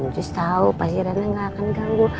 sus tau pasti rena gak akan ganggu